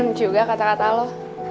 keren juga kata kata lo